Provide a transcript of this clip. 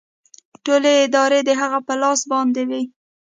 ټولې ادارې د هغه لاس باندې وې